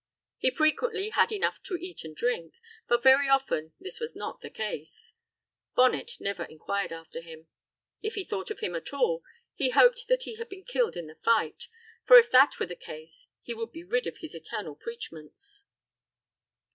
He frequently had enough to eat and drink, but very often this was not the case. Bonnet never inquired after him. If he thought of him at all, he hoped that he had been killed in the fight, for if that were the case he would be rid of his eternal preachments.